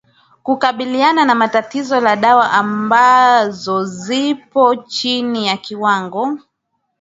kukabiliana na tatizo la dawa ambazo zipo chini ya kiwango